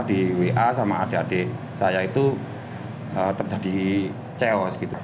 di wa sama adik adik saya itu terjadi chaos gitu